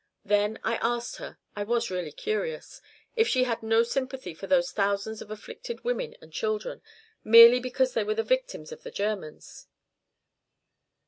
Then I asked her I was really curious if she had no sympathy for those thousands of afflicted women and children, merely because they were the victims of the Germans.